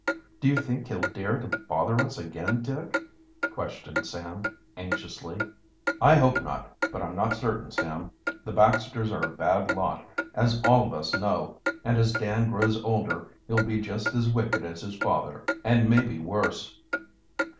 "Do you think he'll dare to bother us again, Dick?" questioned Sam anxiously. "I hope not, but I'm not certain, Sam. The Baxters are a bad lot, as all of us know, and as Dan grows older he'll be just as wicked as his father, and maybe worse."